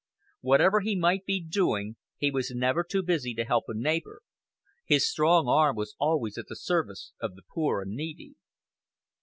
Whatever he might be doing, he was never too busy to help a neighbor. His strong arm was always at the service of the poor and needy.